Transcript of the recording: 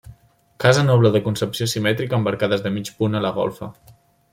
Casa noble de concepció simètrica amb arcades de mig punt a la golfa.